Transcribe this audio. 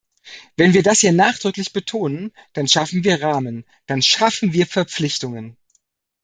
Wenn wir das hier nachdrücklich betonen, dann schaffen wir Rahmen, dann schaffen wir Verpflichtungen.